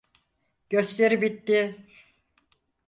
Gösteri bitti.